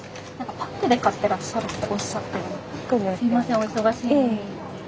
すいませんお忙しいのに。